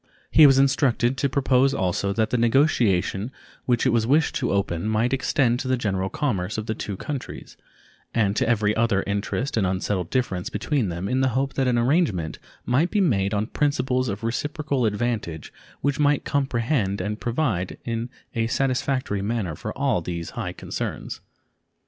He was instructed to propose also that the negotiation which it was wished to open might extend to the general commerce of the two countries, and to every other interest and unsettled difference between them in the hope that an arrangement might be made on principles of reciprocal advantage which might comprehend and provide in a satisfactory manner for all these high concerns.